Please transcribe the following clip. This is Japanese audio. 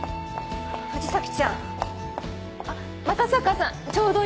藤崎ちゃん。あっ又坂さんちょうど今。